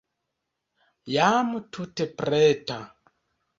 Jam tute preta.